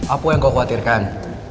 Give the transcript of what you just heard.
apa yang kau khawatirkan